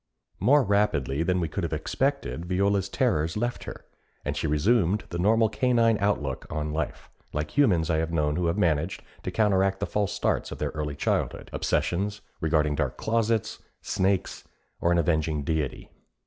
More rapidly than we could have expected Viola's terrors left her, and she resumed the normal canine outlook on life like humans I have known who have managed to counteract the false starts of their early childhood obsessions regarding dark closets, snakes, or an avenging Deity.